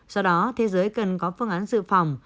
do đó thế giới cần có phương án dự phòng